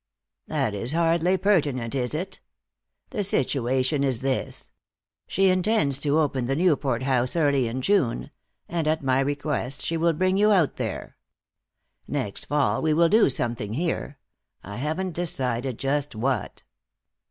"That is hardly pertinent, is it? The situation is this: She intends to open the Newport house early in June, and at my request she will bring you out there. Next fall we will do something here; I haven't decided just what."